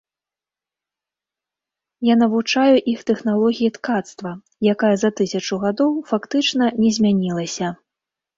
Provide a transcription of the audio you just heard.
Я навучаю іх тэхналогіі ткацтва, якая за тысячу гадоў фактычна не змянілася.